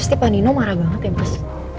pasti pak nino marah banget ya mas